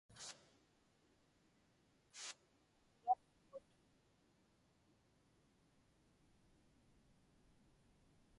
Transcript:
Iñugiaktugut.